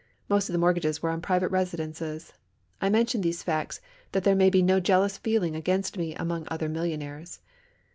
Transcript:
Most of the mortgages were on private residences. I mention these facts that there may be no jealous feeling against me among other millionaires.